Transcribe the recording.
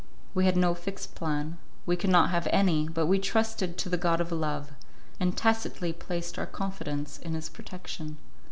We had no fixed plan, we could not have any, but we trusted to the god of love, and tacitly placed our confidence in his protection.